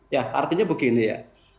ya artinya begini ya